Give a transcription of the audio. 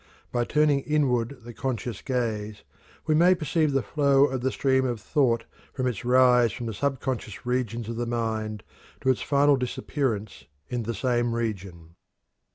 By turning inward the conscious gaze we may perceive the flow of the stream of thought from its rise from the subconscious regions of the mind to its final disappearance in the same region.